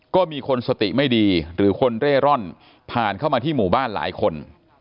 ก็มีคนสติไม่ดีหรือคนเร่ร่อนผ่านเข้ามาที่หมู่บ้านหลายคน